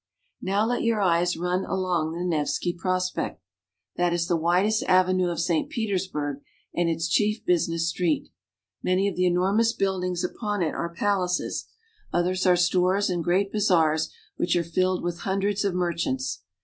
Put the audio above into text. Now let your eyes run along the Nevski Prospekt. That is the widest avenue of St. Petersburg, and its chief business street. Many of the enormous buildings upon it are pal aces ; others are stores and great bazaars, which are filled The Winter Palace. with hundreds of merchants.